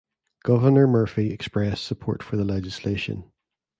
Governor Murphy expressed support for the legislation.